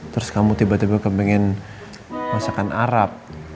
terus kamu tiba tiba ke pengen masakan arab